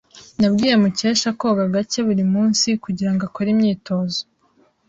Nabwiye Mukesha koga gake buri munsi kugirango akore imyitozo.